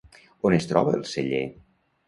On es troba el celler?